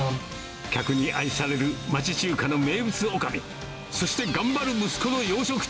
客に愛される町中華の名物女将、そして頑張る息子の洋食店。